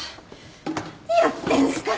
何やってんすか！